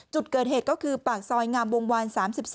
จุดเกิดเหตุก็คือปากซอยงามวงวาน๓๒